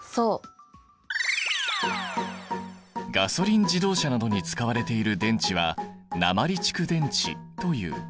ガソリン自動車などに使われている電池は鉛蓄電池という。